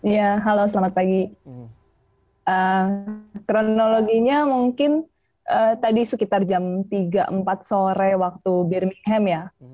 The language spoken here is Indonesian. ya halo selamat pagi kronologinya mungkin tadi sekitar jam tiga empat sore waktu birmingham ya